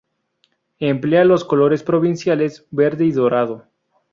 Emplea los colores provinciales, verde y dorado.